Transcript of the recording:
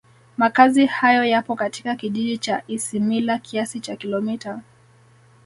Makazi hayo yapo katika Kijiji cha Isimila kiasi cha Kilomita